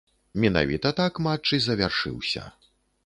Менавіта так матч і завяршыўся.